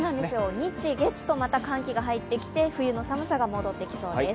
日月と戻ってきて、冬の寒さが戻ってきそうです。